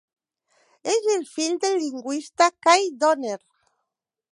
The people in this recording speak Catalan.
És el fill del lingüista Kai Donner.